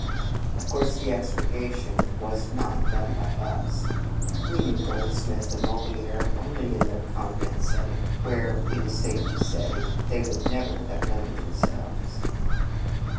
Of course the expurgation was not done by us. We knew Goldsmith and Moliere only in their convent setting, where, it is safe to say, they would never have known themselves.